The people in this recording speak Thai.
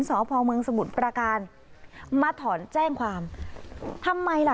สพเมืองสมุทรประการมาถอนแจ้งความทำไมล่ะ